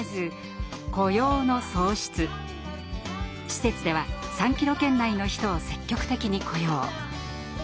施設では３キロ圏内の人を積極的に雇用。